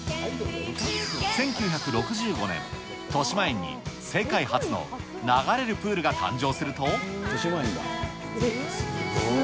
１９６５年、としまえんに世界初の流れるプールが誕生すると。